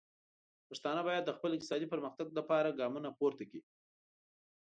پښتانه باید د خپل اقتصادي پرمختګ لپاره ګامونه پورته کړي.